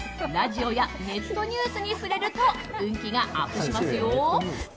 ラジオやネットニュースに触れると運気がアップしますよ。